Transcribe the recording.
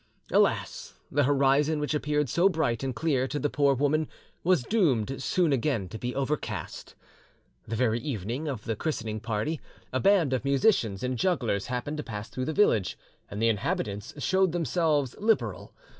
Alas! the horizon which appeared so bright and clear to the poor woman was doomed soon again to be overcast. The very evening of the christening party, a band of musicians and jugglers happened to pass through the village, and the inhabitants showed themselves liberal.